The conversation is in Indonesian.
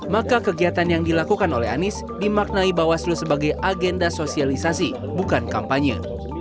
maka kegiatan yang dilakukan oleh anies dimaknai bawaslu sebagai agenda sosialisasi bukan kampanye